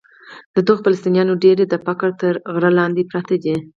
د دغو فلسطینیانو ډېری د فقر تر غره لاندې پراته دي.